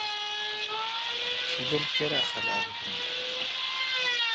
شدل کیرا خلاس بھون۔